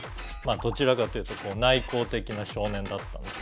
どちらかというと内向的な少年だったんです。